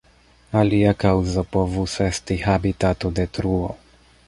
Alia kaŭzo povus esti habitatodetruo.